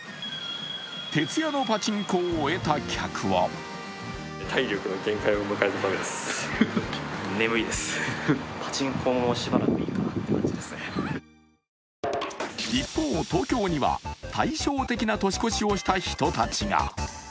徹夜のパチンコを終えた客は一方、東京には対照的な年越しをした人たちが。